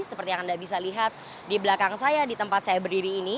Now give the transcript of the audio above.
seperti yang anda bisa lihat di belakang saya di tempat saya berdiri ini